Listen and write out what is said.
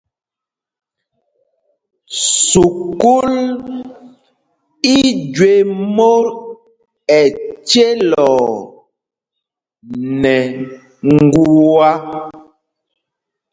Sukûl í jüé mot ɛcelɔɔ nɛ ŋgua.